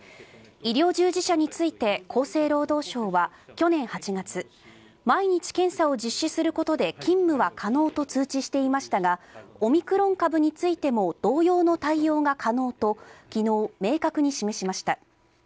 医療従事者について厚生労働省は去年８月毎日検査を実施することで勤務は可能と通知していましたがオミクロン株についても同様の対応が可能と昨日、明確に示しました。